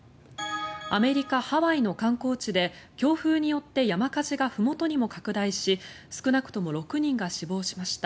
アメリカ・ハワイの観光地で強風によって山火事がふもとにも拡大し少なくとも６人が死亡しました。